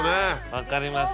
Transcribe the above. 分かります。